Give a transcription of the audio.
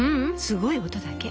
すごい音だけ。